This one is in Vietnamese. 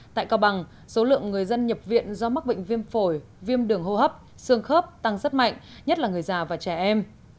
tại cao bằng số lượng người dân nhập viện do mắc bệnh viêm phổi viêm đường hô hấp xương khớp tăng rất mạnh nhất là người già và trẻ em